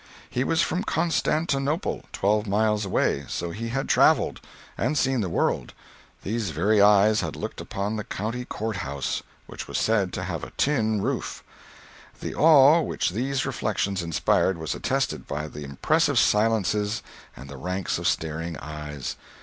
He was from Constantinople, twelve miles away—so he had travelled, and seen the world—these very eyes had looked upon the county court house—which was said to have a tin roof. The awe which these reflections inspired was attested by the impressive silence and the ranks of staring eyes.